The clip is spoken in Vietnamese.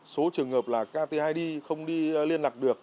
số trường hợp là ktid không đi liên lạc được